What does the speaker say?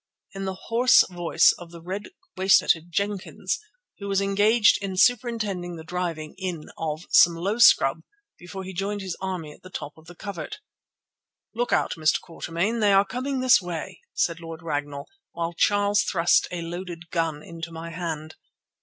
in the hoarse voice of the red waistcoated Jenkins, who was engaged in superintending the driving in of some low scrub before he joined his army at the top of the covert. "Look out, Mr. Quatermain, they are coming this way," said Lord Ragnall, while Charles thrust a loaded gun into my hand.